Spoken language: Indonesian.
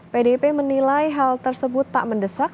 pdip menilai hal tersebut tak mendesak